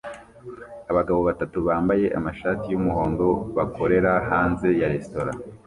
Abagabo batatu bambaye amashati yumuhondo bakorera hanze ya resitora